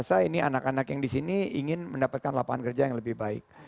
gak kita anak anak yang di sini ingin mendapatkan lapangan kerja yang lebih baik